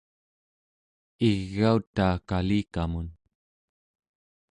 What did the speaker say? igautaa kalikamun